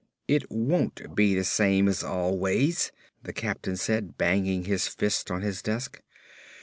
"It won't be the same as always!" the captain said, banging his fist on his desk.